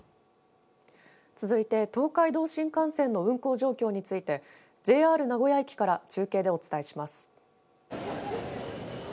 続いて東海道新幹線の運行状況についてＪＲ名古屋駅から中継でお伝えします。